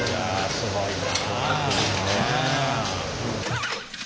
すごいな。